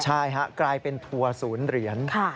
ใช่ฮะกลายเป็นทัวร์ศูนย์เหรียญ